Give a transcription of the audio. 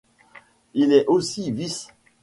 Il est aussi vice-.